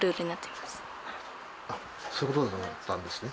あっそういうことだったんですね。